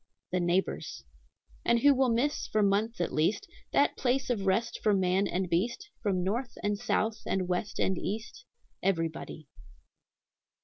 The neighbors. "And who will miss, for months at least, That place of rest for man and beast, from North, and South, and West, and East? Everybody."